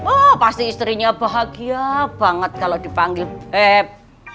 oh pasti istrinya bahagia banget kalau dipanggil beb